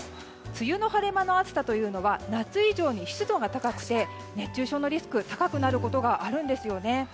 梅雨の晴れ間の暑さというのは夏以上に湿度が高くて熱中症のリスクが高くなることがあるんですよね。